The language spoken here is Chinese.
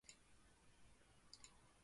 吃鸡